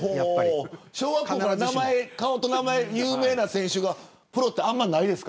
小学校から、顔と名前が有名な選手がプロになるのはあんまりないですか。